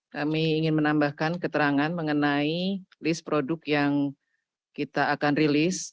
kami ingin menambahkan keterangan mengenai list produk yang kita akan rilis